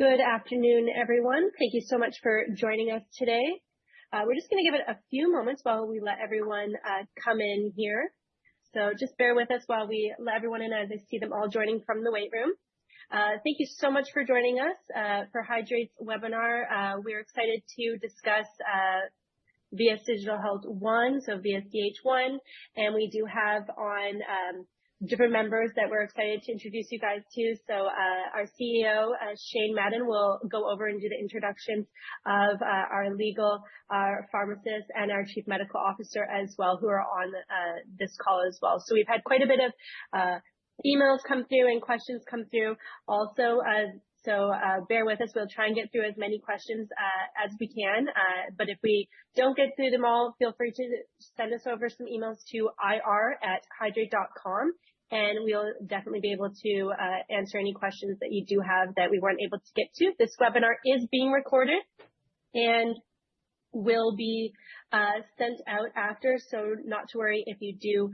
Good afternoon, everyone. Thank you so much for joining us today. We're just going to give it a few moments while we let everyone come in here. So just bear with us while we let everyone in, as I see them all joining from the waiting room. Thank you so much for joining us for Hydreight's webinar. We're excited to discuss VS Digital Health One, so VSDH One. And we do have on different members that we're excited to introduce you guys to. So our CEO, Shane Madden, will go over and do the introductions of our legal, our pharmacist, and our Chief Medical Officer as well, who are on this call as well. So we've had quite a bit of emails come through and questions come through. Also, so bear with us. We'll try and get through as many questions as we can. But if we don't get through them all, feel free to send us over some emails to ir@hydreight.com. And we'll definitely be able to answer any questions that you do have that we weren't able to get to. This webinar is being recorded and will be sent out after. So not to worry if you do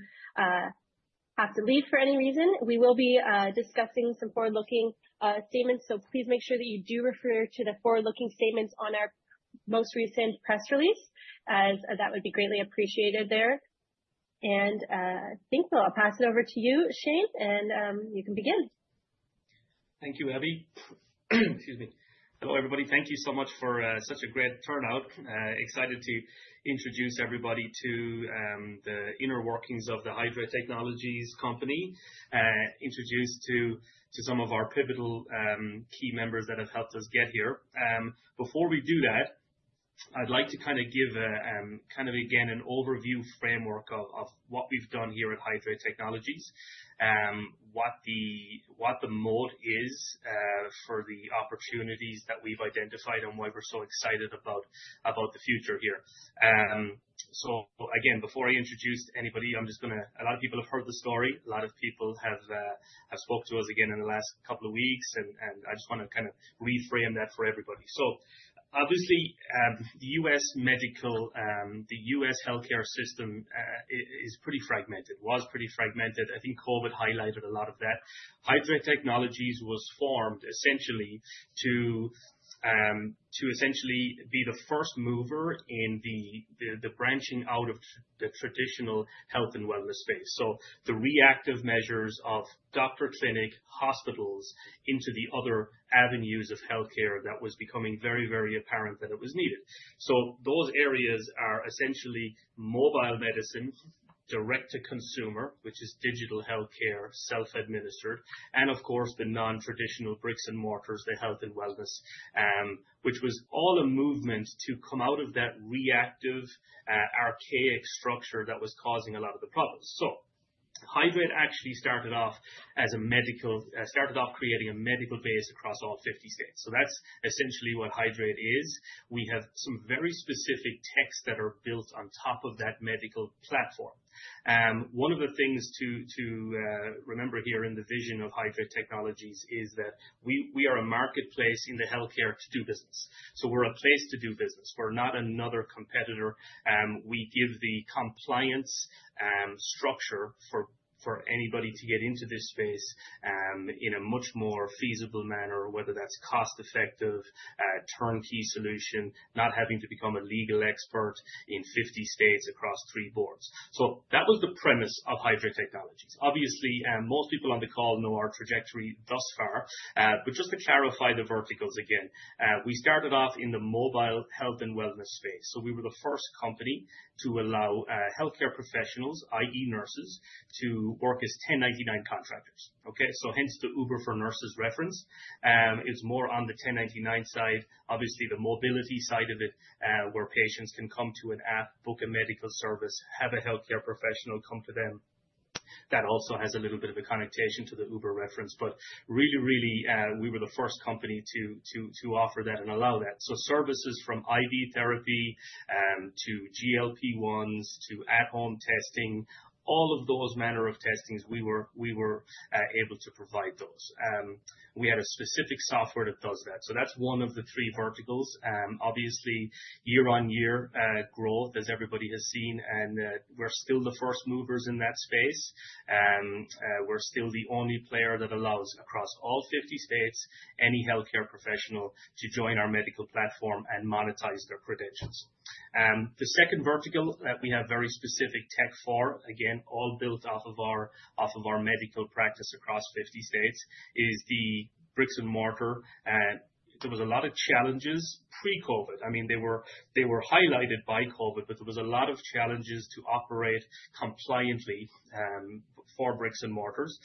have to leave for any reason. We will be discussing some forward-looking statements. So please make sure that you do refer to the forward-looking statements on our most recent press release. That would be greatly appreciated there. And I think I'll pass it over to you, Shane, and you can begin. Thank you, Abby. Excuse me. Hello, everybody. Thank you so much for such a great turnout. Excited to introduce everybody to the inner workings of the Hydreight Technologies company, introduce to some of our pivotal key members that have helped us get here. Before we do that, I'd like to kind of give kind of, again, an overview framework of what we've done here at Hydreight Technologies, what the moat is for the opportunities that we've identified, and why we're so excited about the future here. So again, before I introduce anybody, I'm just going to, a lot of people have heard the story. A lot of people have spoke to us again in the last couple of weeks. And I just want to kind of reframe that for everybody. So obviously, the U.S. medical, the U.S. healthcare system is pretty fragmented, was pretty fragmented. I think COVID highlighted a lot of that. Hydreight Technologies was formed essentially to be the first mover in the branching out of the traditional health and wellness space. The reactive measures of doctor clinic hospitals into the other avenues of healthcare that was becoming very, very apparent that it was needed. Those areas are essentially mobile medicine, direct-to-consumer, which is digital healthcare, self-administered. And of course, the non-traditional bricks and mortars, the health and wellness, which was all a movement to come out of that reactive, archaic structure that was causing a lot of the problems. Hydreight actually started off creating a medical base across all 50 states. That's essentially what Hydreight is. We have some very specific techs that are built on top of that medical platform. One of the things to remember here in the vision of Hydreight Technologies is that we are a marketplace in the healthcare to do business. So we're a place to do business. We're not another competitor. We give the compliance structure for anybody to get into this space in a much more feasible manner, whether that's cost-effective, turnkey solution, not having to become a legal expert in 50 states across three boards. So that was the premise of Hydreight Technologies. Obviously, most people on the call know our trajectory thus far. But just to clarify the verticals again, we started off in the mobile health and wellness space. So we were the first company to allow healthcare professionals, i.e., nurses, to work as 1099 contractors. Okay? So hence the Uber for nurses reference. It's more on the 1099 side. Obviously, the mobility side of it, where patients can come to an app, book a medical service, have a healthcare professional come to them. That also has a little bit of a connection to the Uber reference. But really, really, we were the first company to offer that and allow that. So services from IV therapy to GLP-1s to at-home testing, all of those manner of testings, we were able to provide those. We had a specific software that does that. So that's one of the three verticals. Obviously, year-on-year growth, as everybody has seen, and we're still the first movers in that space. We're still the only player that allows across all 50 states any healthcare professional to join our medical platform and monetize their credentials. The second vertical that we have very specific tech for, again, all built off of our medical practice across 50 states, is the bricks and mortar. There was a lot of challenges pre-COVID. I mean, they were highlighted by COVID, but there was a lot of challenges to operate compliantly for bricks and mortars,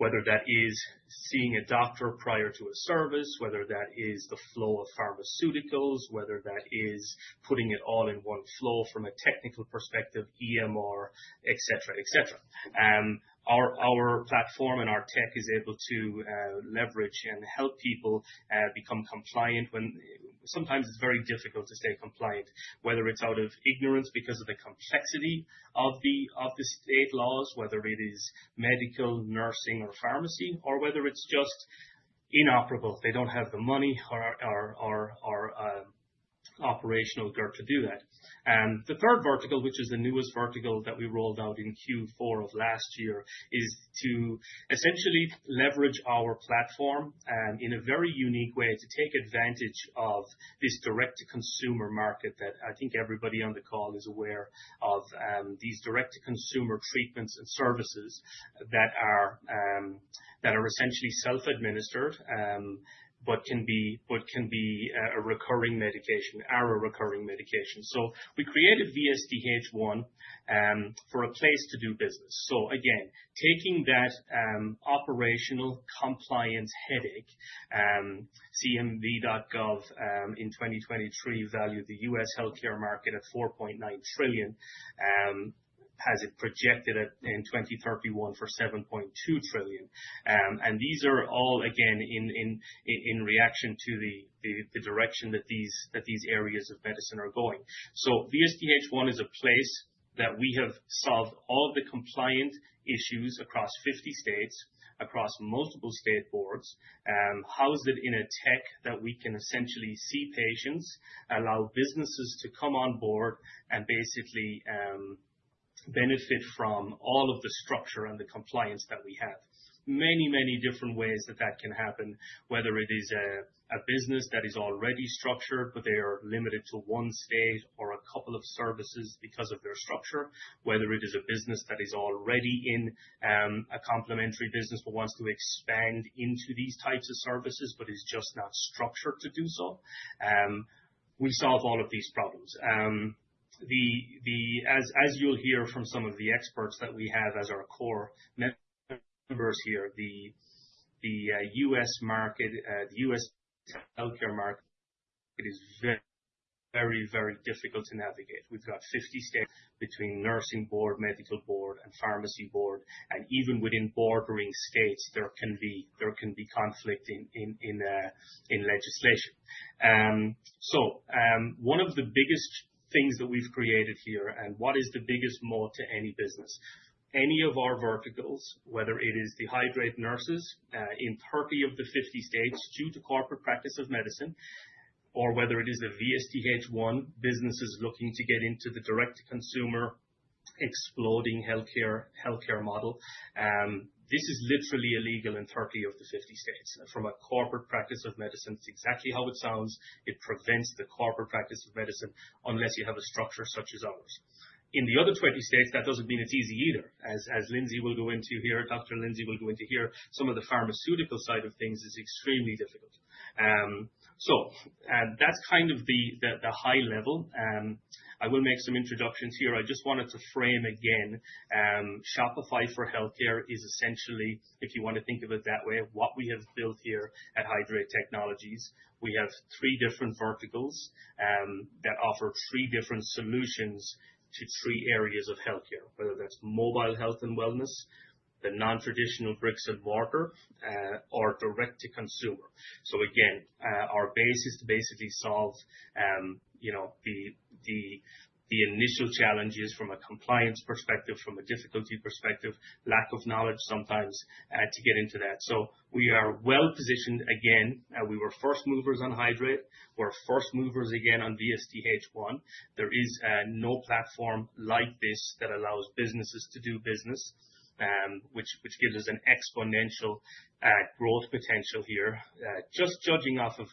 whether that is seeing a doctor prior to a service, whether that is the flow of pharmaceuticals, whether that is putting it all in one flow from a technical perspective, EMR, etc., etc. Our platform and our tech is able to leverage and help people become compliant when sometimes it's very difficult to stay compliant, whether it's out of ignorance because of the complexity of the state laws, whether it is medical, nursing, or pharmacy, or whether it's just inoperable. They don't have the money or operational gut to do that. The third vertical, which is the newest vertical that we rolled out in Q4 of last year, is to essentially leverage our platform in a very unique way to take advantage of this direct-to-consumer market that I think everybody on the call is aware of, these direct-to-consumer treatments and services that are essentially self-administered but can be a recurring medication, are a recurring medication. We created VSDH One for a place to do business. Again, taking that operational compliance headache, CMS.gov in 2023 valued the U.S. healthcare market at $4.9 trillion, has it projected in 2031 for $7.2 trillion. These are all, again, in reaction to the direction that these areas of medicine are going. VSDH One is a place that we have solved all of the compliance issues across 50 states, across multiple state boards, housed it in a tech that we can essentially see patients, allow businesses to come on board, and basically benefit from all of the structure and the compliance that we have. Many, many different ways that that can happen, whether it is a business that is already structured, but they are limited to one state or a couple of services because of their structure, whether it is a business that is already in a complementary business but wants to expand into these types of services but is just not structured to do so. We solve all of these problems. As you'll hear from some of the experts that we have as our core members here, the U.S. market, the U.S. healthcare market is very, very difficult to navigate. We've got 50. Between nursing board, medical board, and pharmacy board. And even within bordering states, there can be conflict in legislation. So one of the biggest things that we've created here, and what is the biggest moat to any business, any of our verticals, whether it is the Hydreight nurses in 30 of the 50 states due to Corporate Practice of Medicine, or whether it is a VSDH One businesses looking to get into the direct-to-consumer exploding healthcare model, this is literally illegal in 30 of the 50 states. From a Corporate Practice of Medicine, it's exactly how it sounds. It prevents the Corporate Practice of Medicine unless you have a structure such as ours. In the other 20 states, that doesn't mean it's easy either. As Dr. Lindsay will go into here, some of the pharmaceutical side of things is extremely difficult. So that's kind of the high level. I will make some introductions here. I just wanted to frame again, Shopify for healthcare is essentially, if you want to think of it that way, what we have built here at Hydreight Technologies. We have three different verticals that offer three different solutions to three areas of healthcare, whether that's mobile health and wellness, the non-traditional bricks and mortar, or direct-to-consumer. So again, our base is to basically solve the initial challenges from a compliance perspective, from a difficulty perspective, lack of knowledge sometimes to get into that. So we are well positioned. Again, we were first movers on Hydreight. We're first movers again on VSDH One. There is no platform like this that allows businesses to do business, which gives us an exponential growth potential here. Just judging off of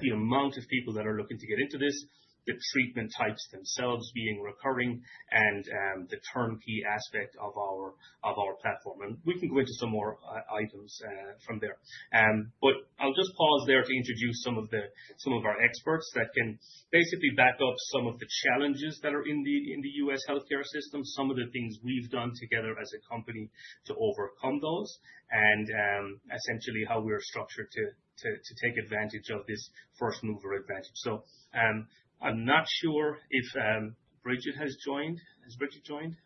the amount of people that are looking to get into this, the treatment types themselves being recurring, and the turnkey aspect of our platform. And we can go into some more items from there. But I'll just pause there to introduce some of our experts that can basically back up some of the challenges that are in the U.S. healthcare system, some of the things we've done together as a company to overcome those, and essentially how we're structured to take advantage of this first mover advantage. So I'm not sure if Bridget has joined. Has Bridget joined?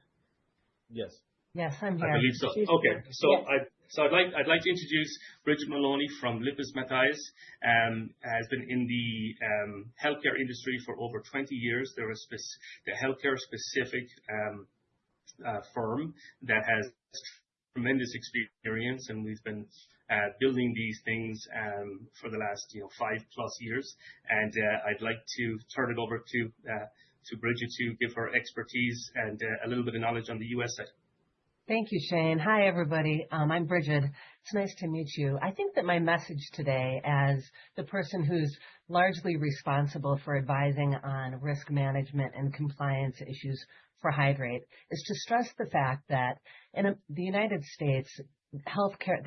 Yes. Yes, I'm here. I believe so. Okay, so I'd like to introduce Bridget Maloney from Lippes Mathias. Has been in the healthcare industry for over 20 years. They're a healthcare-specific firm that has tremendous experience, and we've been building these things for the last five-plus years, and I'd like to turn it over to Bridget to give her expertise and a little bit of knowledge on the US side. Thank you, Shane. Hi, everybody. I'm Bridget. It's nice to meet you. I think that my message today as the person who's largely responsible for advising on risk management and compliance issues for Hydreight is to stress the fact that in the United States, the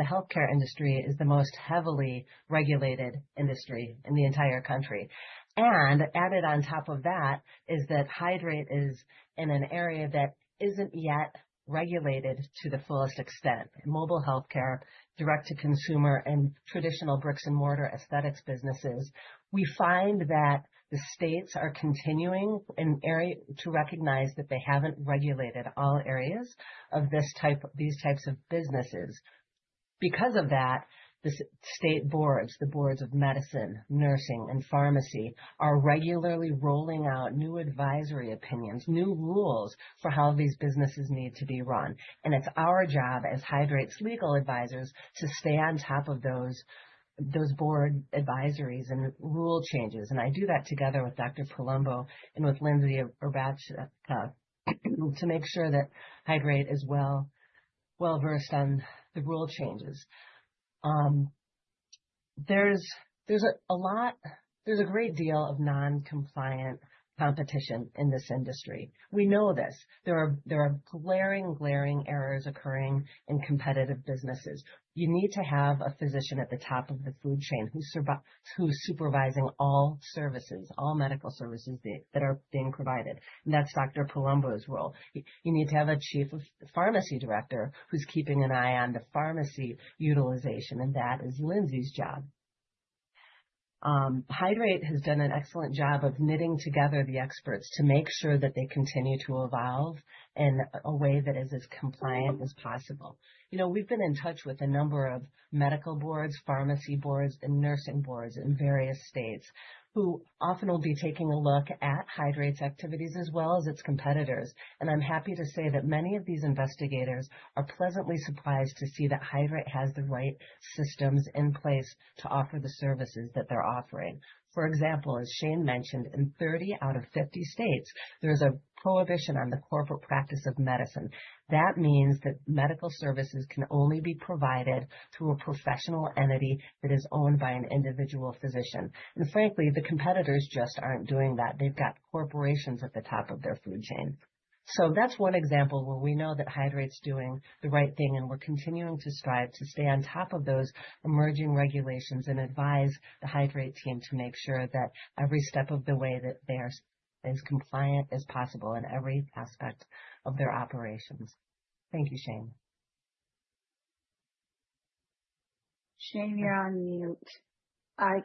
healthcare industry is the most heavily regulated industry in the entire country. And added on top of that is that Hydreight is in an area that isn't yet regulated to the fullest extent. Mobile healthcare, direct-to-consumer, and traditional bricks-and-mortar aesthetics businesses, we find that the states are continuing to recognize that they haven't regulated all areas of these types of businesses. Because of that, the state boards, the boards of medicine, nursing, and pharmacy are regularly rolling out new advisory opinions, new rules for how these businesses need to be run. It's our job as Hydreight's legal advisors to stay on top of those board advisories and rule changes. I do that together with Dr. Palumbo and with Urbancic to make sure that Hydreight is well-versed on the rule changes. There's a great deal of non-compliant competition in this industry. We know this. There are glaring, glaring errors occurring in competitive businesses. You need to have a physician at the top of the food chain who's supervising all services, all medical services that are being provided. That's Dr. Palumbo's role. You need to have a chief pharmacy director who's keeping an eye on the pharmacy utilization. That is Lindsay's job. Hydreight has done an excellent job of knitting together the experts to make sure that they continue to evolve in a way that is as compliant as possible. We've been in touch with a number of medical boards, pharmacy boards, and nursing boards in various states who often will be taking a look at Hydreight's activities as well as its competitors. And I'm happy to say that many of these investigators are pleasantly surprised to see that Hydreight has the right systems in place to offer the services that they're offering. For example, as Shane mentioned, in 30 out of 50 states, there is a prohibition on the corporate practice of medicine. That means that medical services can only be provided through a professional entity that is owned by an individual physician. And frankly, the competitors just aren't doing that. They've got corporations at the top of their food chain. So that's one example where we know that Hydreight's doing the right thing. We're continuing to strive to stay on top of those emerging regulations and advise the Hydreight team to make sure that every step of the way that they are as compliant as possible in every aspect of their operations. Thank you, Shane. Shane, you're on mute. I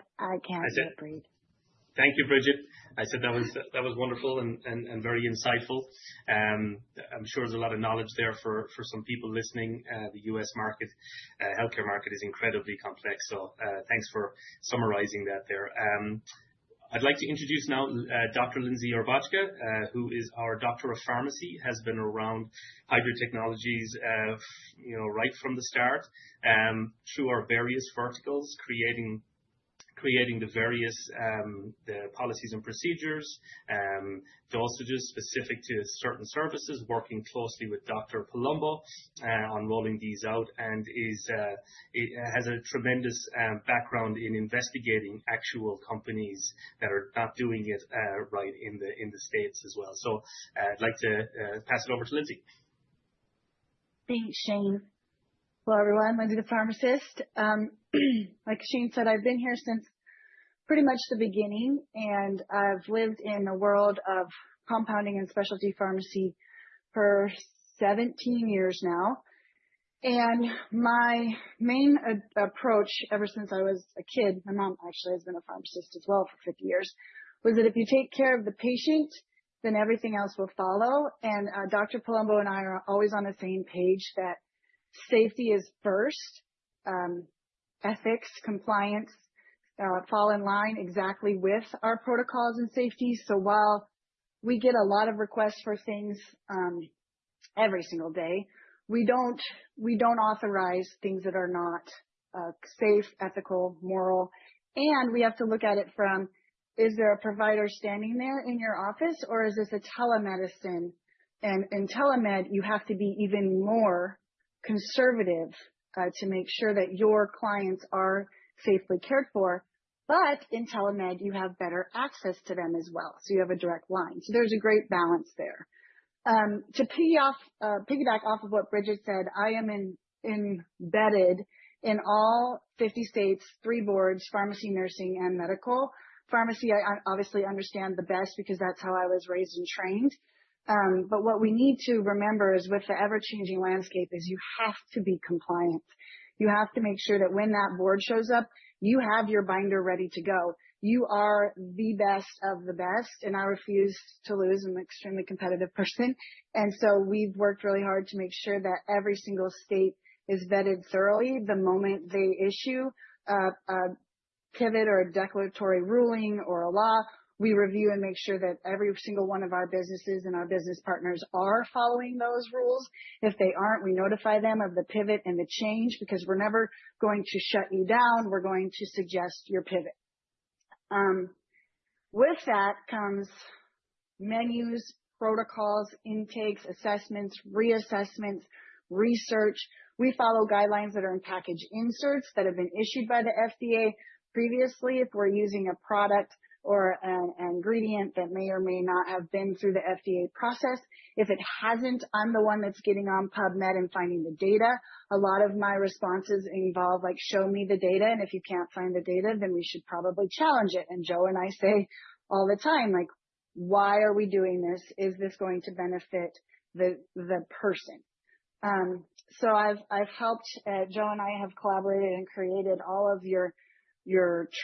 can't hear Bridget. Thank you, Bridget. I said that was wonderful and very insightful. I'm sure there's a lot of knowledge there for some people listening. The U.S. market, healthcare market is incredibly complex. So thanks for summarizing that there. I'd like to introduce now Dr. Urbancic, who is our doctor of pharmacy, has been around Hydreight Technologies right from the start through our various verticals, creating the various policies and procedures, dosages specific to certain services, working closely with Dr. Palumbo on rolling these out, and has a tremendous background in investigating actual companies that are not doing it right in the states as well. So I'd like to pass it over to Lindsay. Thanks, Shane. Hello, everyone. Lindsay the pharmacist. Like Shane said, I've been here since pretty much the beginning. And I've lived in the world of compounding and specialty pharmacy for 17 years now. And my main approach ever since I was a kid, my mom actually has been a pharmacist as well for 50 years, was that if you take care of the patient, then everything else will follow. And Dr. Palumbo and I are always on the same page that safety is first. Ethics, compliance fall in line exactly with our protocols and safety. So while we get a lot of requests for things every single day, we don't authorize things that are not safe, ethical, moral. And we have to look at it from, is there a provider standing there in your office, or is this a telemedicine? And in telemed, you have to be even more conservative to make sure that your clients are safely cared for. But in telemed, you have better access to them as well. So you have a direct line. So there's a great balance there. To piggyback off of what Bridget said, I am embedded in all 50 states, three boards, pharmacy, nursing, and medical. Pharmacy, I obviously understand the best because that's how I was raised and trained. But what we need to remember is with the ever-changing landscape is you have to be compliant. You have to make sure that when that board shows up, you have your binder ready to go. You are the best of the best. And I refuse to lose. I'm an extremely competitive person. And so we've worked really hard to make sure that every single state is vetted thoroughly. The moment they issue a pivot or a declaratory ruling or a law, we review and make sure that every single one of our businesses and our business partners are following those rules. If they aren't, we notify them of the pivot and the change because we're never going to shut you down. We're going to suggest your pivot. With that comes menus, protocols, intakes, assessments, reassessments, research. We follow guidelines that are in package inserts that have been issued by the FDA previously if we're using a product or an ingredient that may or may not have been through the FDA process. If it hasn't, I'm the one that's getting on PubMed and finding the data. A lot of my responses involve, like, "Show me the data." And if you can't find the data, then we should probably challenge it. Joe and I say all the time, like, "Why are we doing this? Is this going to benefit the person?" So I've helped, Joe and I have collaborated and created all of your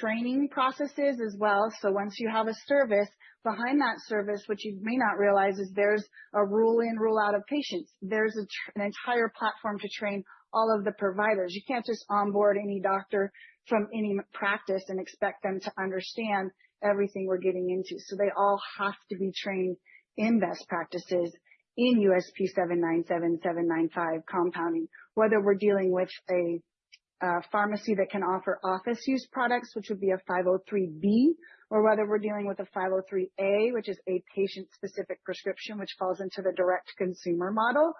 training processes as well. So once you have a service, behind that service, what you may not realize is there's a rule in, rule out of patients. There's an entire platform to train all of the providers. You can't just onboard any doctor from any practice and expect them to understand everything we're getting into. So they all have to be trained in best practices in USP 797, 795 compounding, whether we're dealing with a pharmacy that can offer office-use products, which would be a 503B, or whether we're dealing with a 503A, which is a patient-specific prescription, which falls into the direct-to-consumer model.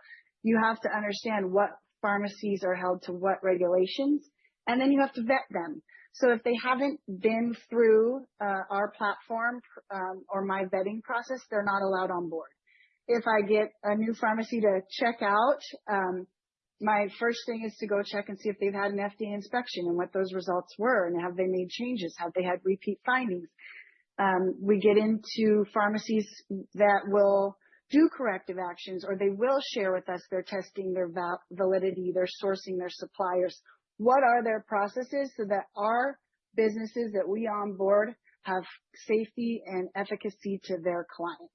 You have to understand what pharmacies are held to what regulations. And then you have to vet them. So if they haven't been through our platform or my vetting process, they're not allowed on board. If I get a new pharmacy to check out, my first thing is to go check and see if they've had an FDA inspection and what those results were, and have they made changes? Have they had repeat findings? We get into pharmacies that will do corrective actions, or they will share with us their testing, their validity, their sourcing, their suppliers. What are their processes so that our businesses that we onboard have safety and efficacy to their clients?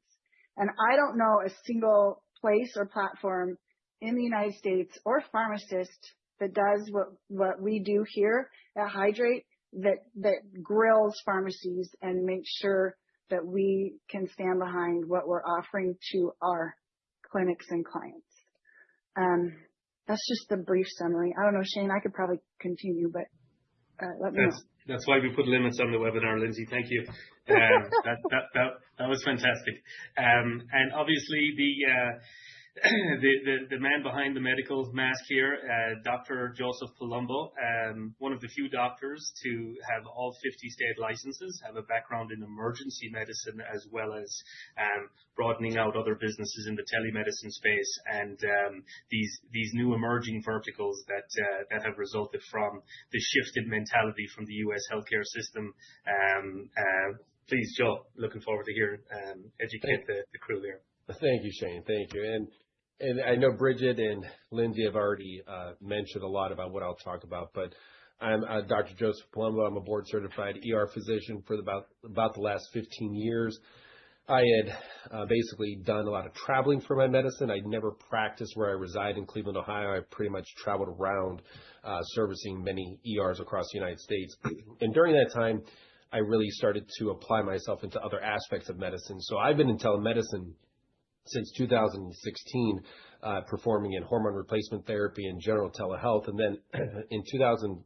And I don't know a single place or platform in the United States or pharmacist that does what we do here at Hydreight that grills pharmacies and makes sure that we can stand behind what we're offering to our clinics and clients. That's just the brief summary. I don't know, Shane, I could probably continue, but let me know. That's why we put limits on the webinar, Lindsay. Thank you. That was fantastic. And obviously, the man behind the medical mask here, Dr. Joseph Palumbo, one of the few doctors to have all 50 state licenses, have a background in emergency medicine as well as broadening out other businesses in the telemedicine space, and these new emerging verticals that have resulted from the shift in mentality from the U.S. healthcare system. Please, Joe, looking forward to hearing you educate the crew there. Thank you, Shane. Thank you, and I know Bridget and Lindsay have already mentioned a lot about what I'll talk about, but I'm Dr. Joseph Palumbo. I'm a board-certified physician for about the last 15 years. I had basically done a lot of traveling for my medicine. I'd never practiced where I reside in Cleveland, Ohio. I pretty much traveled around servicing many ERs across the United States, and during that time, I really started to apply myself into other aspects of medicine, so I've been in telemedicine since 2016, performing in hormone replacement therapy and general telehealth. And then in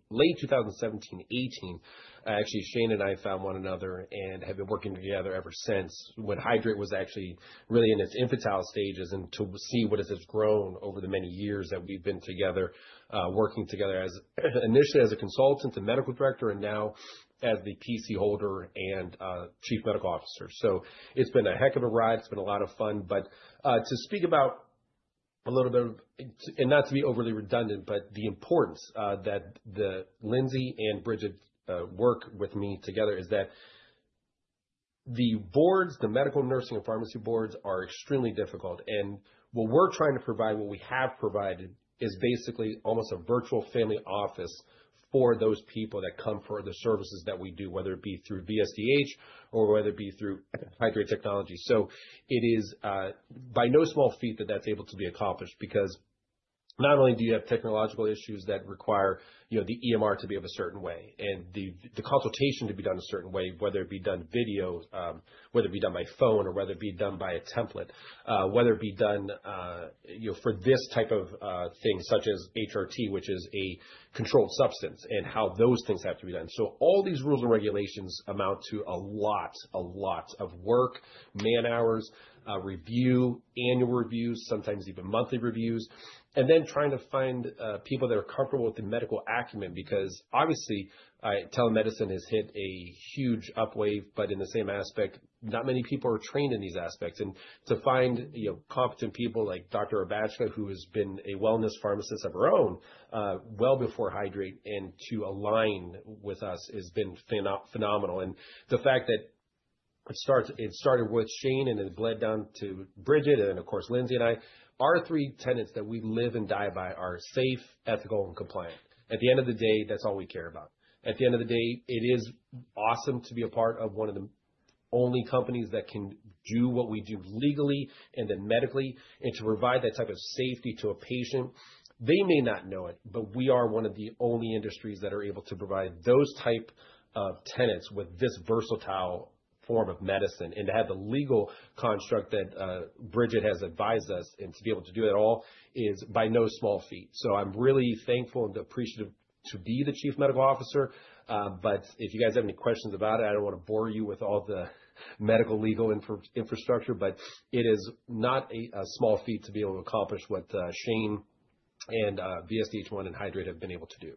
late 2017, '18, actually, Shane and I found one another and have been working together ever since when Hydreight was actually really in its infantile stages and to see what has grown over the many years that we've been together working together initially as a consultant and medical director, and now as the PC holder and Chief Medical Officer. So it's been a heck of a ride. It's been a lot of fun. But to speak about a little bit of, and not to be overly redundant, but the importance that Lindsay and Bridget work with me together is that the boards, the medical, nursing, and pharmacy boards are extremely difficult. What we're trying to provide, what we have provided, is basically almost a virtual family office for those people that come for the services that we do, whether it be through VSDH or whether it be through Hydreight Technologies. It is by no small feat that that's able to be accomplished because not only do you have technological issues that require the EMR to be of a certain way and the consultation to be done a certain way, whether it be done video, whether it be done by phone, or whether it be done by a template, whether it be done for this type of thing such as HRT, which is a controlled substance, and how those things have to be done. So all these rules and regulations amount to a lot, a lot of work, man hours, review, annual reviews, sometimes even monthly reviews, and then trying to find people that are comfortable with the medical acumen because obviously, telemedicine has hit a huge upwave, but in the same aspect, not many people are trained in these aspects. And to find competent people like Dr. Urbacka, who has been a wellness pharmacist of her own well before Hydreight and to align with us has been phenomenal. And the fact that it started with Shane and it bled down to Bridget and, of course, Lindsay and I, our three tenets that we live and die by are safe, ethical, and compliant. At the end of the day, that's all we care about. At the end of the day, it is awesome to be a part of one of the only companies that can do what we do legally and then medically and to provide that type of safety to a patient. They may not know it, but we are one of the only industries that are able to provide those type of tenets with this versatile form of medicine. And to have the legal construct that Bridget has advised us and to be able to do it all is by no small feat. So I'm really thankful and appreciative to be the Chief Medical Officer. But if you guys have any questions about it, I don't want to bore you with all the medical legal infrastructure, but it is not a small feat to be able to accomplish what Shane and VSDH One and Hydreight have been able to do.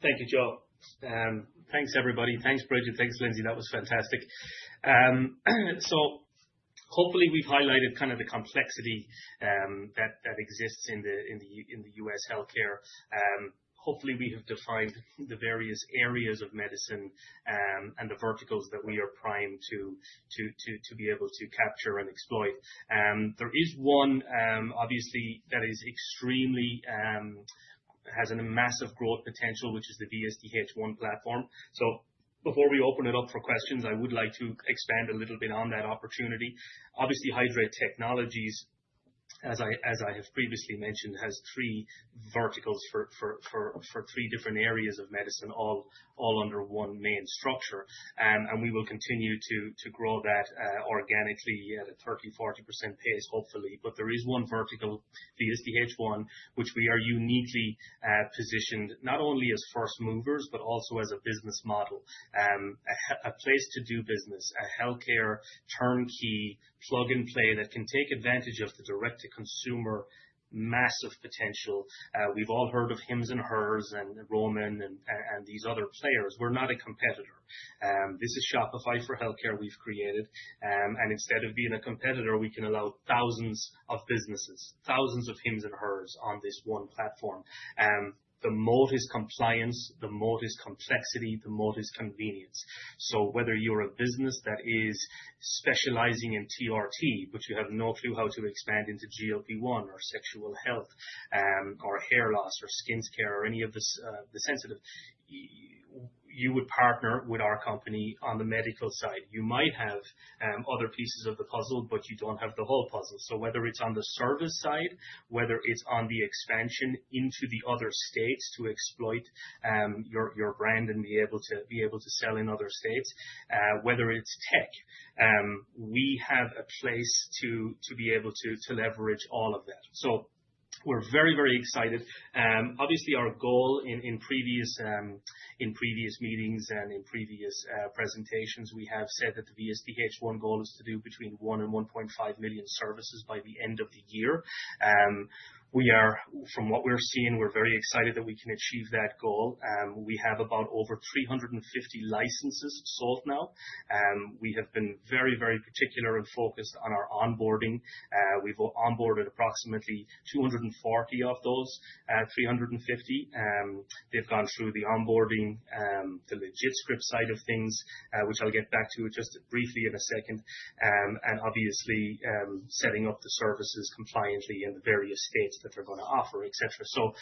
Thank you, Joe. Thanks, everybody. Thanks, Bridget. Thanks, Lindsay. That was fantastic. So hopefully, we've highlighted kind of the complexity that exists in the U.S. healthcare. Hopefully, we have defined the various areas of medicine and the verticals that we are primed to be able to capture and exploit. There is one, obviously, that has an immense growth potential, which is the VSDH one platform. So before we open it up for questions, I would like to expand a little bit on that opportunity. Obviously, Hydreight Technologies, as I have previously mentioned, has three verticals for three different areas of medicine, all under one main structure. And we will continue to grow that organically at a 30%-40% pace, hopefully. But there is one vertical, VSDH One, which we are uniquely positioned not only as first movers, but also as a business model, a place to do business, a healthcare turnkey plug and play that can take advantage of the direct-to-consumer massive potential. We've all heard of Hims and Hers and Roman and these other players. We're not a competitor. This is Shopify for healthcare we've created. And instead of being a competitor, we can allow thousands of businesses, thousands of Hims and Hers on this one platform. The moat is compliance. The moat is complexity. The moat is convenience. So whether you're a business that is specializing in TRT, but you have no clue how to expand into GLP-1 or sexual health or hair loss or skin care or any of the sensitive, you would partner with our company on the medical side. You might have other pieces of the puzzle, but you don't have the whole puzzle. So whether it's on the service side, whether it's on the expansion into the other states to exploit your brand and be able to sell in other states, whether it's tech, we have a place to be able to leverage all of that. So we're very, very excited. Obviously, our goal in previous meetings and in previous presentations, we have said that the VSDH One goal is to do between one and 1.5 million services by the end of the year. From what we're seeing, we're very excited that we can achieve that goal. We have about over 350 licenses sold now. We have been very, very particular and focused on our onboarding. We've onboarded approximately 240 of those, 350. They've gone through the onboarding, the LegitScript side of things, which I'll get back to just briefly in a second, and obviously setting up the services compliantly in the various states that they're going to offer, etc. So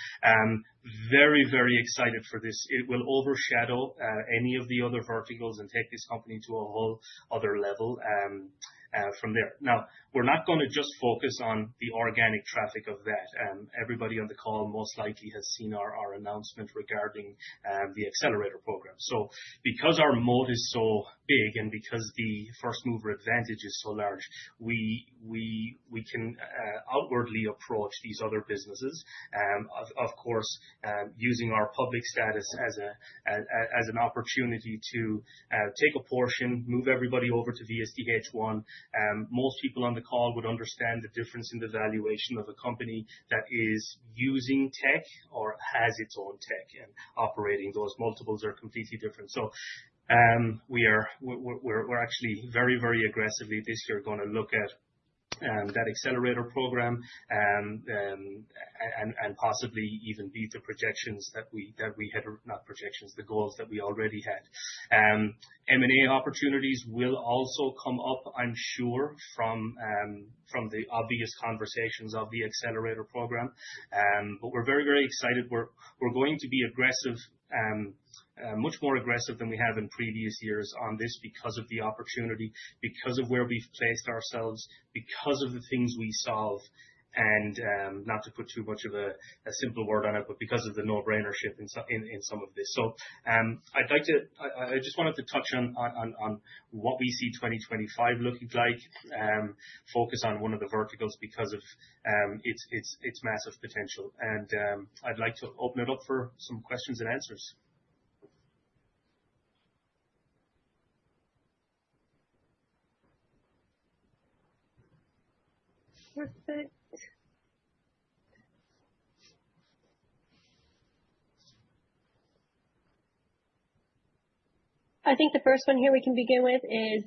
very, very excited for this. It will overshadow any of the other verticals and take this company to a whole other level from there. Now, we're not going to just focus on the organic traffic of that. Everybody on the call most likely has seen our announcement regarding the accelerator program. So because our moat is so big and because the first mover advantage is so large, we can outwardly approach these other businesses, of course, using our public status as an opportunity to take a portion, move everybody over to VSDH One. Most people on the call would understand the difference in the valuation of a company that is using tech or has its own tech and operating. Those multiples are completely different. So we're actually very, very aggressively this year going to look at that accelerator program and possibly even beat the projections that we had, not projections, the goals that we already had. M&A opportunities will also come up, I'm sure, from the obvious conversations of the accelerator program. But we're very, very excited. We're going to be aggressive, much more aggressive than we have in previous years on this because of the opportunity, because of where we've placed ourselves, because of the things we solve, and not to put too much of a simple word on it, but because of the no-brainership in some of this. So I just wanted to touch on what we see 2025 looking like, focus on one of the verticals because of its massive potential. And I'd like to open it up for some questions and answers. Perfect. I think the first one here we can begin with is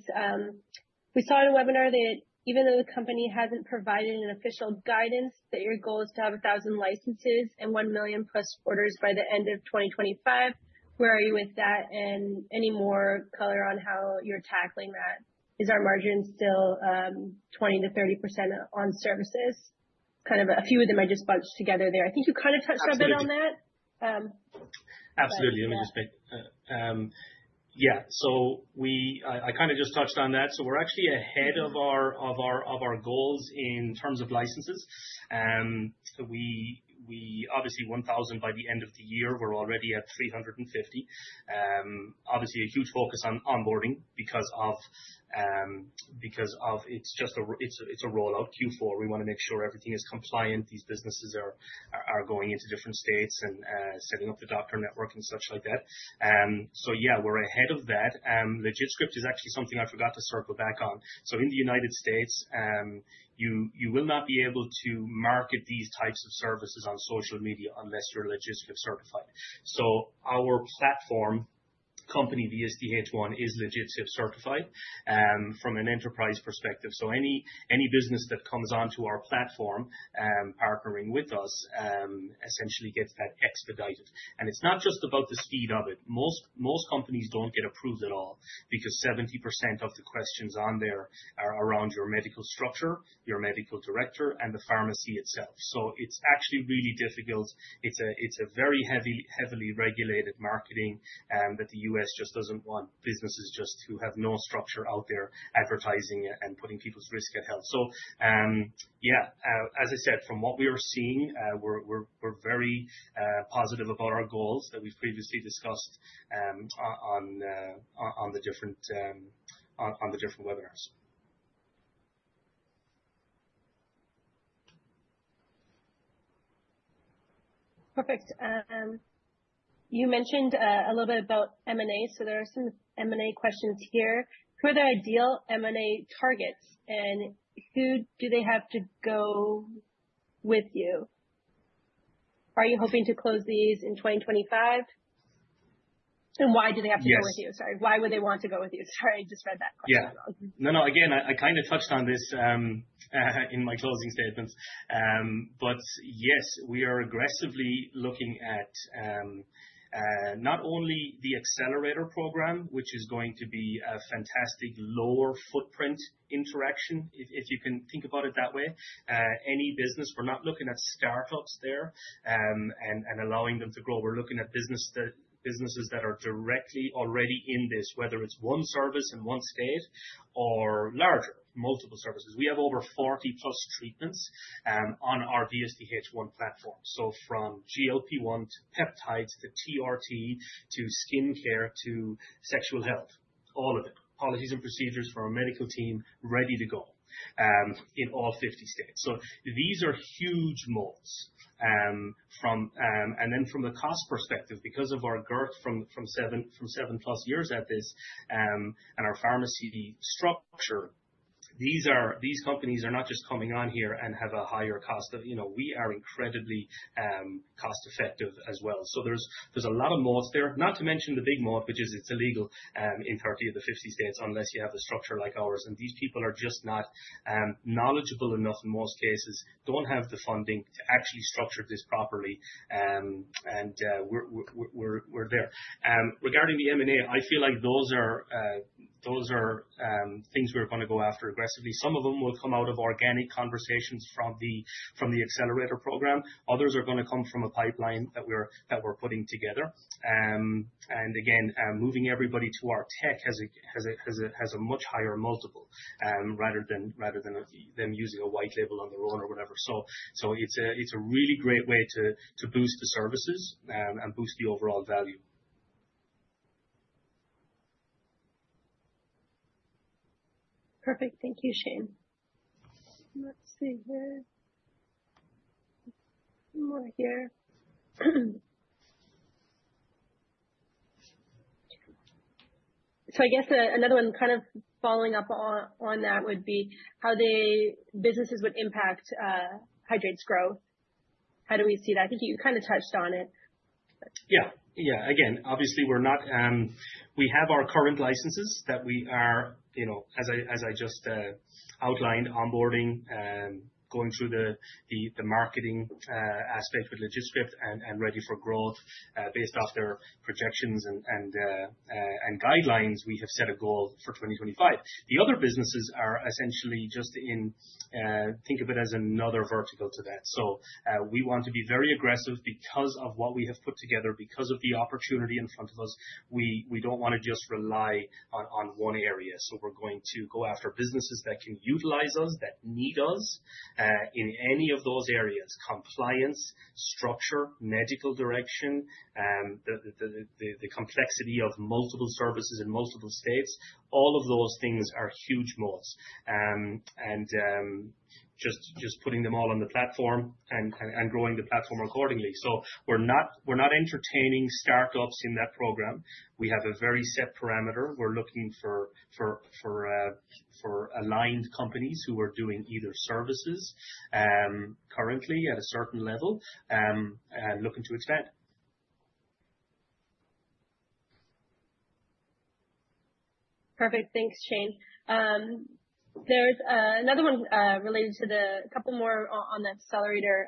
we saw in the webinar that even though the company hasn't provided an official guidance that your goal is to have 1,000 licenses and 1 million plus orders by the end of 2025, where are you with that? And any more color on how you're tackling that? Is our margin still 20%-30% on services? Kind of a few of them I just bunched together there. I think you kind of touched a bit on that. Absolutely. Let me just make yeah. So I kind of just touched on that. So we're actually ahead of our goals in terms of licenses. Obviously, 1,000 by the end of the year, we're already at 350. Obviously, a huge focus on onboarding because it's a rollout, Q4. We want to make sure everything is compliant. These businesses are going into different states and setting up the doctor network and such like that. So yeah, we're ahead of that. LegitScript is actually something I forgot to circle back on. So in the United States, you will not be able to market these types of services on social media unless you're legitimately certified. So our platform, company VSDH One, is legitimately certified from an enterprise perspective. So any business that comes onto our platform partnering with us essentially gets that expedited. And it's not just about the speed of it. Most companies don't get approved at all because 70% of the questions on there are around your medical structure, your medical director, and the pharmacy itself. So it's actually really difficult. It's a very heavily regulated marketing that the U.S. just doesn't want. Businesses just who have no structure out there advertising and putting people's health at risk. So yeah, as I said, from what we are seeing, we're very positive about our goals that we've previously discussed on the different webinars. Perfect. You mentioned a little bit about M&A. So there are some M&A questions here. Who are the ideal M&A targets? And who do they have to go with you? Are you hoping to close these in 2025? And why do they have to go with you? Sorry. Why would they want to go with you? Sorry, I just read that question wrong. Yeah. No, no. Again, I kind of touched on this in my closing statements. But yes, we are aggressively looking at not only the accelerator program, which is going to be a fantastic lower footprint interaction, if you can think about it that way. Any business. We're not looking at startups there and allowing them to grow. We're looking at businesses that are directly already in this, whether it's one service in one state or larger, multiple services. We have over 40+ treatments on our VSDH one platform. So from GLP-1 to peptides to TRT to skin care to sexual health, all of it. Policies and procedures for our medical team ready to go in all 50 states. So these are huge moats. And then from the cost perspective, because of our growth from seven plus years at this and our pharmacy structure, these companies are not just coming on here and have a higher cost. We are incredibly cost-effective as well. So there's a lot of moats there, not to mention the big moat, which is it's illegal in 30 of the 50 states unless you have a structure like ours. And these people are just not knowledgeable enough in most cases, don't have the funding to actually structure this properly. And we're there. Regarding the M&A, I feel like those are things we're going to go after aggressively. Some of them will come out of organic conversations from the Accelerator Program. Others are going to come from a pipeline that we're putting together. And again, moving everybody to our tech has a much higher multiple rather than them using a white label on their own or whatever. So it's a really great way to boost the services and boost the overall value. Perfect. Thank you, Shane. Let's see here. More here. So I guess another one kind of following up on that would be how businesses would impact Hydreight's growth. How do we see that? I think you kind of touched on it. Yeah. Yeah. Again, obviously, we have our current licenses that we are, as I just outlined, onboarding, going through the marketing aspect with LegitScript and ready for growth. Based off their projections and guidelines, we have set a goal for 2025. The other businesses are essentially just, think of it as another vertical to that. So we want to be very aggressive because of what we have put together, because of the opportunity in front of us. We don't want to just rely on one area. So we're going to go after businesses that can utilize us, that need us in any of those areas: compliance, structure, medical direction, the complexity of multiple services in multiple states. All of those things are huge moats, and just putting them all on the platform and growing the platform accordingly. So we're not entertaining startups in that program. We have a very set parameter. We're looking for aligned companies who are doing either services currently at a certain level and looking to expand. Perfect. Thanks, Shane. There's another one related to the couple more on the accelerator,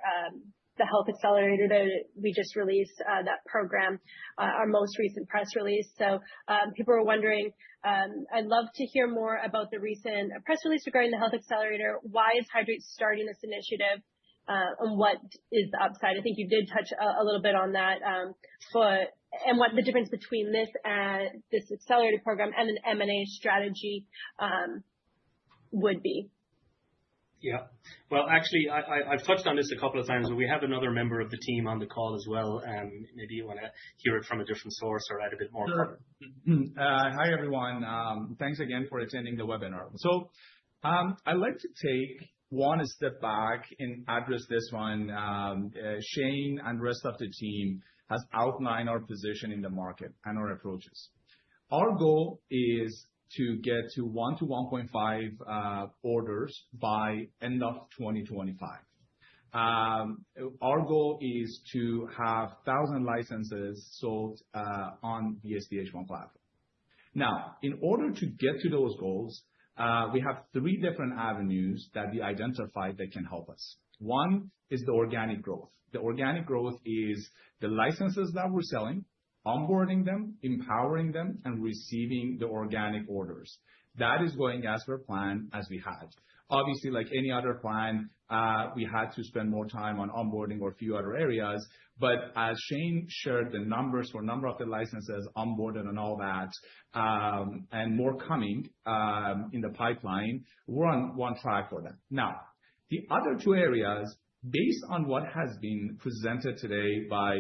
the health accelerator that we just released, that program, our most recent press release. So people are wondering, I'd love to hear more about the recent press release regarding the health accelerator. Why is Hydreight starting this initiative? And what is the upside? I think you did touch a little bit on that. And what the difference between this accelerator program and an M&A strategy would be? Yeah, well, actually, I've touched on this a couple of times, but we have another member of the team on the call as well. Maybe you want to hear it from a different source or add a bit more cover. Hi, everyone. Thanks again for attending the webinar. So I'd like to take one step back and address this one. Shane and the rest of the team have outlined our position in the market and our approaches. Our goal is to get to one to 1.5 orders by end of 2025. Our goal is to have 1,000 licenses sold on the VSDH one platform. Now, in order to get to those goals, we have three different avenues that we identified that can help us. One is the organic growth. The organic growth is the licenses that we're selling, onboarding them, empowering them, and receiving the organic orders. That is going as per plan as we had. Obviously, like any other plan, we had to spend more time on onboarding or a few other areas. But as Shane shared the numbers for a number of the licenses, onboarding and all that, and more coming in the pipeline, we're on one track for that. Now, the other two areas, based on what has been presented today by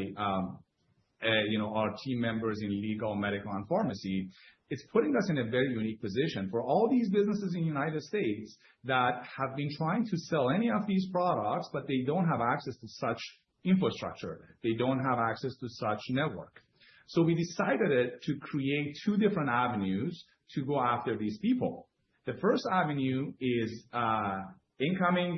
our team members in legal, medical, and pharmacy, it's putting us in a very unique position for all these businesses in the United States that have been trying to sell any of these products, but they don't have access to such infrastructure. They don't have access to such network. So we decided to create two different avenues to go after these people. The first avenue is incoming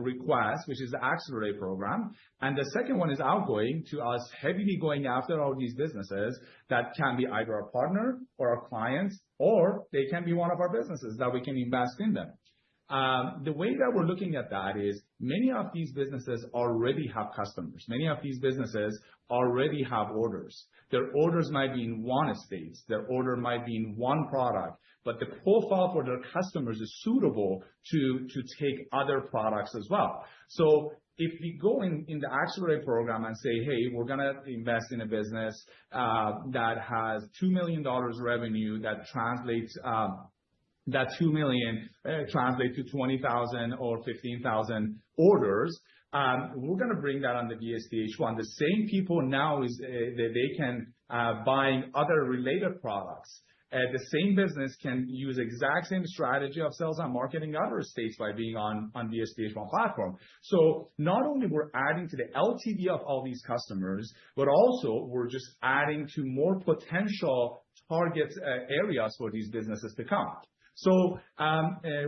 requests, which is the accelerator program. And the second one is outgoing to us, heavily going after all these businesses that can be either our partner or our clients, or they can be one of our businesses that we can invest in them. The way that we're looking at that is many of these businesses already have customers. Many of these businesses already have orders. Their orders might be in one state. Their order might be in one product, but the profile for their customers is suitable to take other products as well. So if we go in the accelerator program and say, "Hey, we're going to invest in a business that has $2 million revenue. That 2 million translates to 20,000 or 15,000 orders," we're going to bring that on the VSDH One. The same people now that they can buy other related products. The same business can use the exact same strategy of sales and marketing other states by being on the VSDH one platform. So not only we're adding to the LTV of all these customers, but also we're just adding to more potential target areas for these businesses to come. So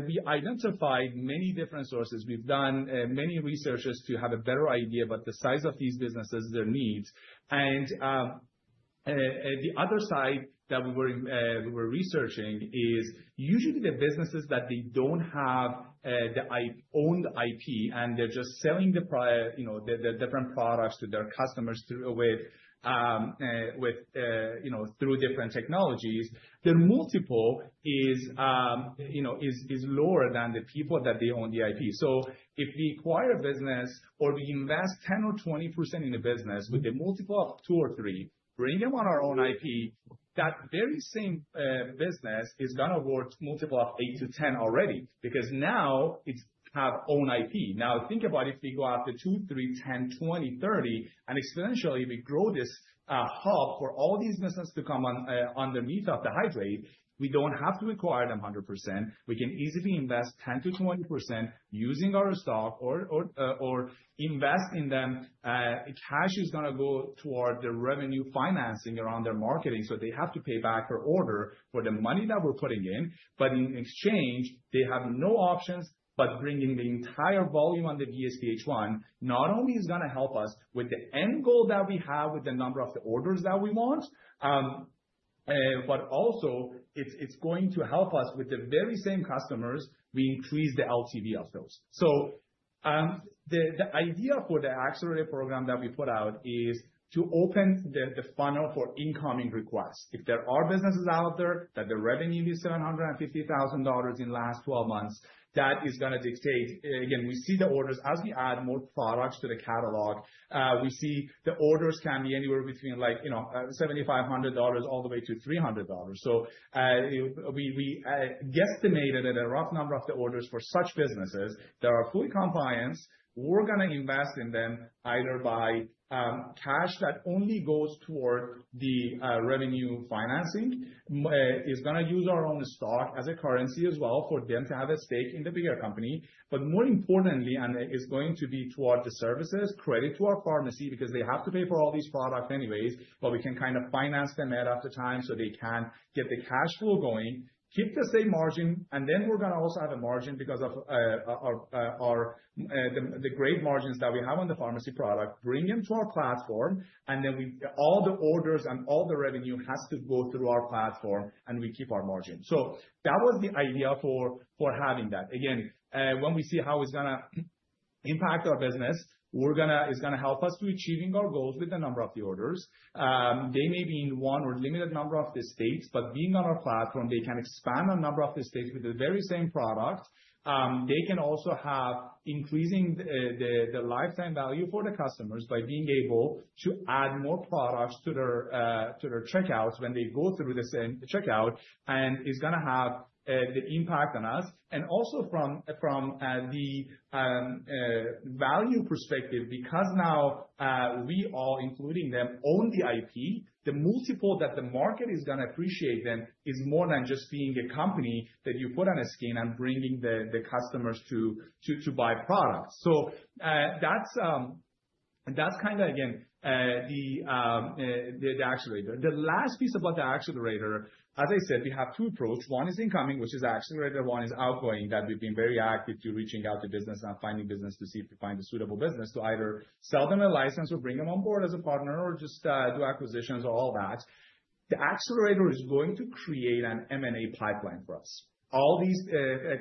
we identified many different sources. We've done many researches to have a better idea about the size of these businesses, their needs. And the other side that we were researching is usually the businesses that they don't have the owned IP and they're just selling the different products to their customers through different technologies. Their multiple is lower than the people that they own the IP. So if we acquire a business or we invest 10% or 20% in a business with a multiple of 2 or 3, bring them on our own IP, that very same business is going to work multiple of 8-10 already because now it's have owned IP. Now, think about if we go after 2, 3, 10, 20, 30, and exponentially we grow this hub for all these businesses to come underneath of the Hydreight. We don't have to acquire them 100%. We can easily invest 10%-20% using our stock or invest in them. Cash is going to go toward the revenue financing around their marketing. So they have to pay back per order for the money that we're putting in. But in exchange, they have no options but bringing the entire volume on the VSDHOne. Not only is it going to help us with the end goal that we have with the number of the orders that we want, but also it's going to help us with the very same customers. We increase the LTV of those. So the idea for the accelerator program that we put out is to open the funnel for incoming requests. If there are businesses out there that the revenue is $750,000 in the last 12 months, that is going to dictate. Again, we see the orders as we add more products to the catalog. We see the orders can be anywhere between $7,500 all the way to $300. So, we guesstimated that a rough number of the orders for such businesses that are fully compliant. We're going to invest in them either by cash that only goes toward the revenue financing, is going to use our own stock as a currency as well for them to have a stake in the bigger company. But more importantly, and it's going to be toward the services. Credit to our pharmacy because they have to pay for all these products anyways, but we can kind of finance them at other times so they can get the cash flow going, keep the same margin, and then we're going to also have a margin because of the great margins that we have on the pharmacy product. Bring them to our platform, and then all the orders and all the revenue has to go through our platform and we keep our margin. That was the idea for having that. Again, when we see how it's going to impact our business, it's going to help us to achieve our goals with the number of the orders. They may be in one or limited number of the states, but being on our platform, they can expand on a number of the states with the very same product. They can also have increasing the lifetime value for the customers by being able to add more products to their checkouts when they go through the same checkout, and it's going to have the impact on us. And also from the value perspective, because now we all, including them, own the IP, the multiple that the market is going to appreciate them is more than just being a company that you put on a skin and bringing the customers to buy products. That's kind of, again, the accelerator. The last piece about the accelerator, as I said, we have two approaches. One is incoming, which is accelerator. One is outgoing that we've been very active to reaching out to business and finding business to see if we find a suitable business to either sell them a license or bring them on board as a partner or just do acquisitions or all that. The accelerator is going to create an M&A pipeline for us. All these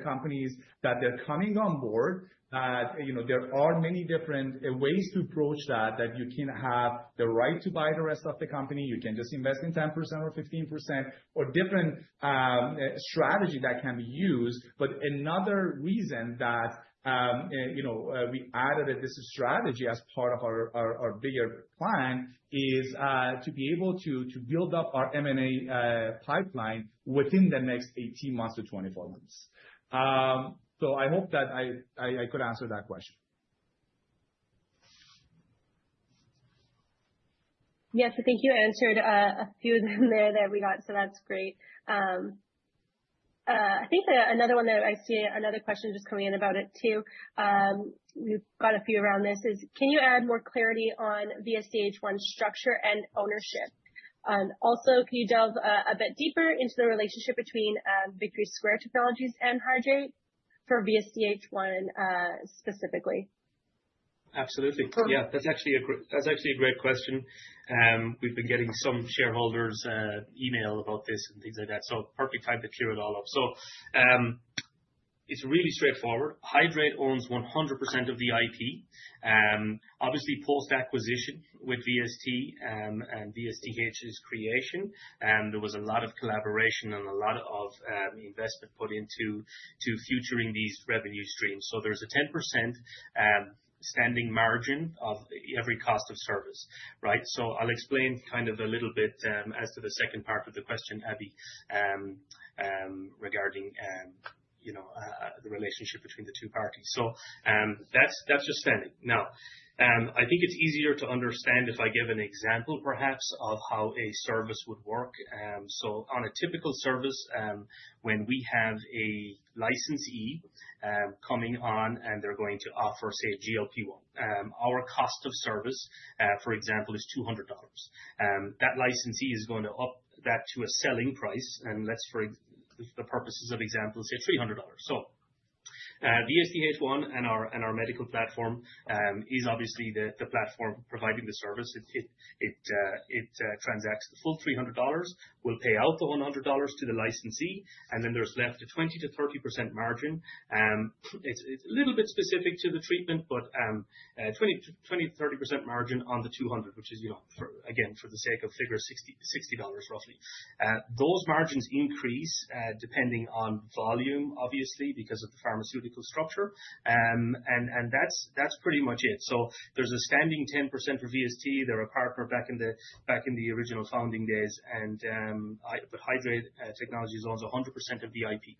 companies that they're coming on board, there are many different ways to approach that, that you can have the right to buy the rest of the company. You can just invest in 10% or 15% or different strategy that can be used. But another reason that we added this strategy as part of our bigger plan is to be able to build up our M&A pipeline within the next 18 months-24 months. So I hope that I could answer that question. Yes. I think you answered a few of them there that we got, so that's great. I think another one that I see, another question just coming in about it too. We've got a few around this is, can you add more clarity on VSDH One structure and ownership? And also, can you delve a bit deeper into the relationship between Victory Square Technologies and Hydreight for VSDH One specifically? Absolutely. Yeah, that's actually a great question. We've been getting some shareholders' emails about this and things like that. So perfect time to clear it all up. So it's really straightforward. Hydreight owns 100% of the IP. Obviously, post-acquisition with VST and VSDH's creation, there was a lot of collaboration and a lot of investment put into futuring these revenue streams. So there's a 10% standing margin of every cost of service, right? So I'll explain kind of a little bit as to the second part of the question, Abby, regarding the relationship between the two parties. So that's just standing. Now, I think it's easier to understand if I give an example perhaps of how a service would work. So on a typical service, when we have a licensee coming on and they're going to offer, say, a GLP-1, our cost of service, for example, is $200. That licensee is going to up that to a selling price. And let's, for the purposes of example, say $300. So VSDH One and our medical platform is obviously the platform providing the service. It transacts the full $300, will pay out the $100 to the licensee, and then there's left a 20%-30% margin. It's a little bit specific to the treatment, but 20%-30% margin on the 200, which is, again, for the sake of figure, $60 roughly. Those margins increase depending on volume, obviously, because of the pharmaceutical structure. And that's pretty much it. So there's a standing 10% for VST. They're a partner back in the original founding days. But Hydreight Technologies owns 100% of the IP.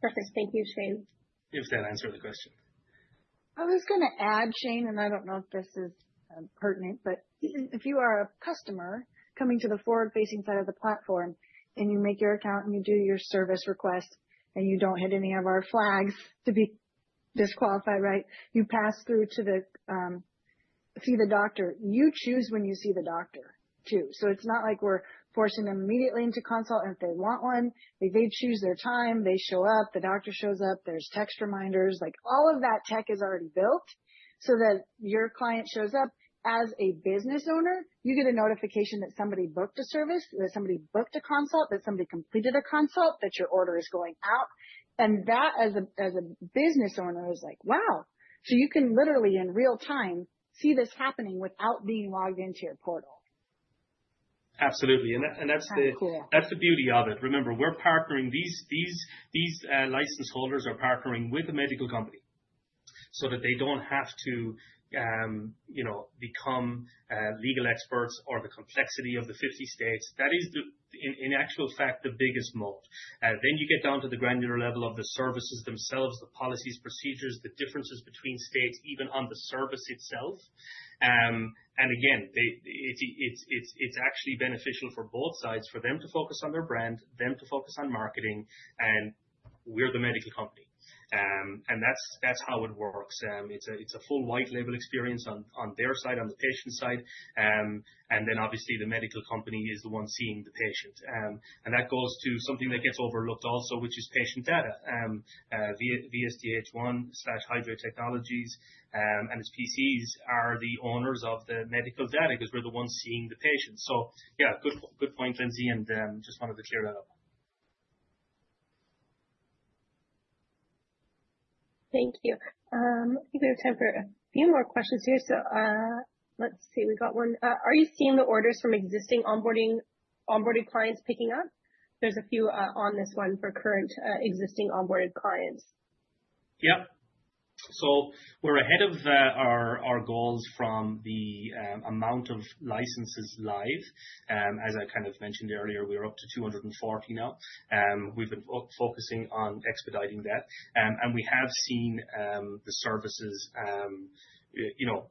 Perfect. Thank you, Shane. If that answered the question. I was going to add, Shane, and I don't know if this is pertinent, but if you are a customer coming to the forward-facing side of the platform and you make your account and you do your service request and you don't hit any of our flags to be disqualified, right? You pass through to see the doctor. You choose when you see the doctor too. So it's not like we're forcing them immediately into consult. If they want one, they choose their time, they show up, the doctor shows up, there's text reminders. All of that tech is already built so that your client shows up. As a business owner, you get a notification that somebody booked a service, that somebody booked a consult, that somebody completed a consult, that your order is going out. And that, as a business owner, is like, "Wow." So you can literally, in real time, see this happening without being logged into your portal. Absolutely. And that's the beauty of it. Remember, we're partnering. These license holders are partnering with a medical company so that they don't have to become legal experts or the complexity of the 50 states. That is, in actual fact, the biggest moat. Then you get down to the granular level of the services themselves, the policies, procedures, the differences between states, even on the service itself. And again, it's actually beneficial for both sides for them to focus on their brand, them to focus on marketing, and we're the medical company. And that's how it works. It's a full white label experience on their side, on the patient side. And then, obviously, the medical company is the one seeing the patient. And that goes to something that gets overlooked also, which is patient data. One / Hydreight Technologies and its PCs are the owners of the medical data because we're the ones seeing the patient. So yeah, good point, Lindsay, and just wanted to clear that up. Thank you. I think we have time for a few more questions here. So let's see. We got one. Are you seeing the orders from existing onboarding clients picking up? There's a few on this one for current existing onboarded clients. Yep. So we're ahead of our goals from the amount of licenses live. As I kind of mentioned earlier, we're up to 240 now. We've been focusing on expediting that. And we have seen the services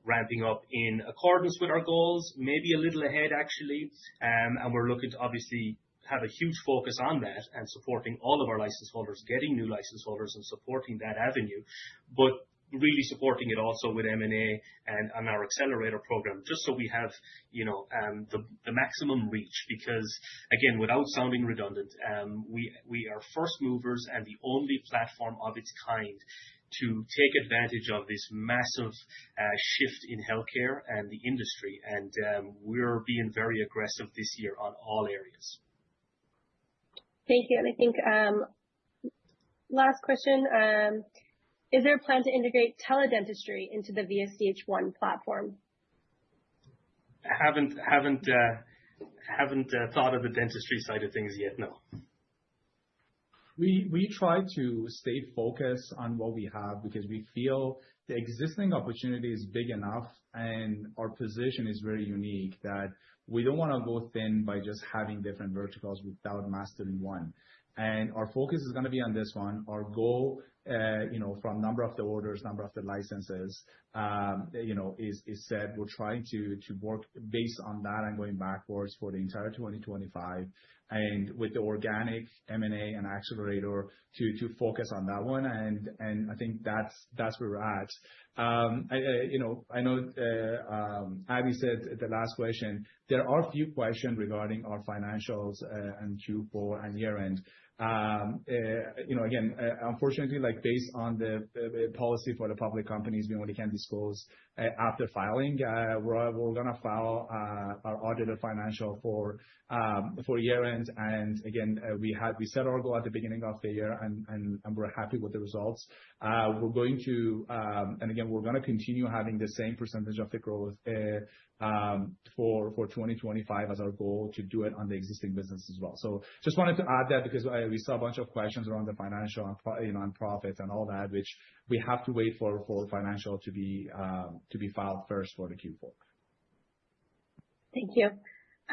ramping up in accordance with our goals, maybe a little ahead, actually. And we're looking to obviously have a huge focus on that and supporting all of our license holders, getting new license holders and supporting that avenue, but really supporting it also with M&A and our accelerator program just so we have the maximum reach because, again, without sounding redundant, we are first movers and the only platform of its kind to take advantage of this massive shift in healthcare and the industry. And we're being very aggressive this year on all areas. Thank you and I think last question. Is there a plan to integrate teledentistry into the VSDH one platform? Haven't thought of the dentistry side of things yet, no. We try to stay focused on what we have because we feel the existing opportunity is big enough and our position is very unique, that we don't want to go thin by just having different verticals without mastering one. And our focus is going to be on this one. Our goal from number of the orders, number of the licenses is set. We're trying to work based on that and going backwards for the entire 2025 and with the organic M&A and accelerator to focus on that one. And I think that's where we're at. I know Abby said the last question. There are a few questions regarding our financials and Q4 and year-end. Again, unfortunately, based on the policy for the public companies, we only can disclose after filing. We're going to file our audited financial for year-end. And again, we set our goal at the beginning of the year and we're happy with the results. We're going to, and again, we're going to continue having the same percentage of the growth for 2025 as our goal to do it on the existing business as well. So just wanted to add that because we saw a bunch of questions around the financial and profits and all that, which we have to wait for financial to be filed first for the Q4. Thank you.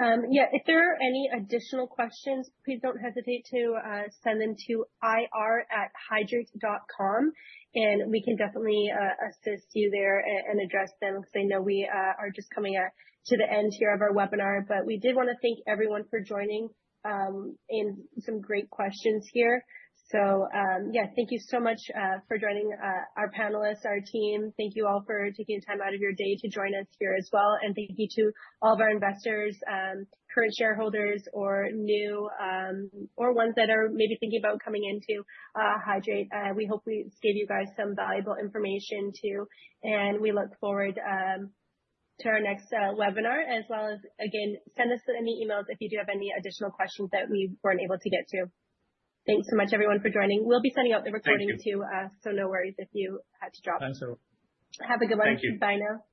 Yeah. If there are any additional questions, please don't hesitate to send them to ir@hydreight.com, and we can definitely assist you there and address them because I know we are just coming to the end here of our webinar, but we did want to thank everyone for joining and some great questions here. So yeah, thank you so much for joining our panelists, our team. Thank you all for taking the time out of your day to join us here as well. And thank you to all of our investors, current shareholders, or new or ones that are maybe thinking about coming into Hydreight. We hope we gave you guys some valuable information too. And we look forward to our next webinar as well as, again, send us any emails if you do have any additional questions that we weren't able to get to. Thanks so much, everyone, for joining. We'll be sending out the recording too, so no worries if you had to drop. Thanks, everyone. Have a good one. Thank you. Bye now.